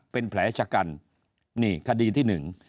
เป็นแผลชะกันนี่คดีที่หนึ่ง